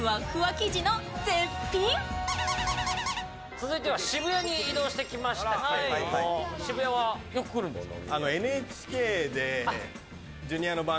続いては渋谷に移動してきましたけど渋谷はよく来るんですか？